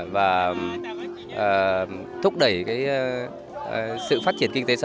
và thúc đẩy sự phát triển kinh tế xã hội